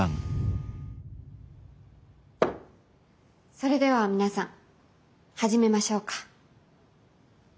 それでは皆さん始めましょうか。